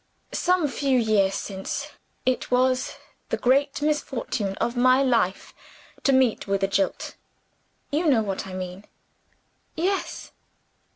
Some few years since it was the great misfortune of my life to meet with a Jilt. You know what I mean?" "Yes."